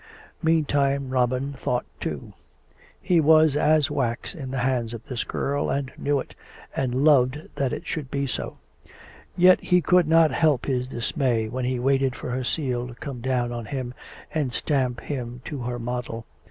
Meantime Robin thought too. He was as wax in the hands of this girl, and knew it, and loved that it should be so. Yet he could not help his dismay while he waited for her seal to come down on him and stamp him to her model.